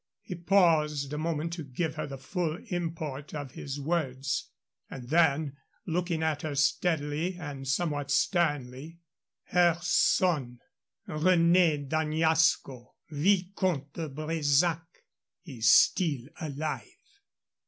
He paused a moment to give her the full import of his words. And then, looking at her steadily and somewhat sternly, "Her son, René d'Añasco, Vicomte de Bresac, is still alive."